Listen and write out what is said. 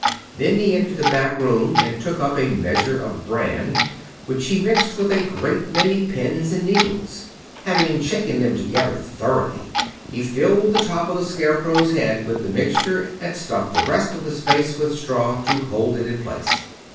Then he entered the back room and took up a measure of bran, which he mixed with a great many pins and needles. Having shaken them together thoroughly, he filled the top of the Scarecrow's head with the mixture and stuffed the rest of the space with straw, to hold it in place.